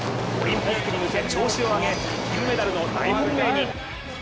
オリンピックに向け、調子を上げ金メダルの大本命に。